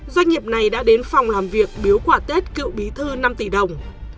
doanh nghiệp này đã đến phòng làm việc biếu quả tết cựu bí thư năm tỷ đồng